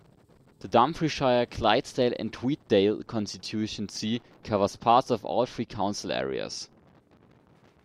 The Dumfriesshire, Clydesdale and Tweeddale constituency covers parts of all three council areas.